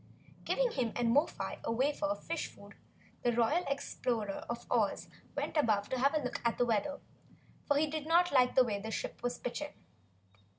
Giving him and Mo fi a wafer of fish food, the Royal Explorer of Oz went above to have a look at the weather, for he did not like the way the ship was pitching.